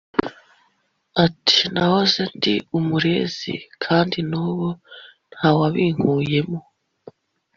Ati “Nahoze ndi umurezi kandi nubu ntawabinkuyemo